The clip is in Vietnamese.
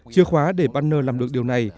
chia khóa để banner làm được điều này